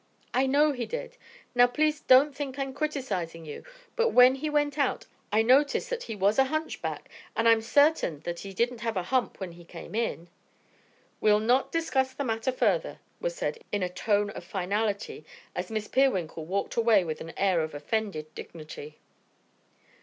"I know he did. Now please don't think I'm criticizing you, but when he went out I noticed that he was a hunch back, and I'm certain that he didn't have a hump when he came in." "We'll not discuss the matter further," was said in a tone of finality as Miss Peerwinkle walked away with an air of offended dignity.